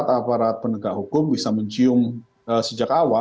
harusnya kemudian aparat aparat penegak hukum bisa mencium sejak awal